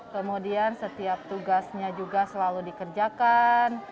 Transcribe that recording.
kemudian setiap tugasnya juga selalu dikerjakan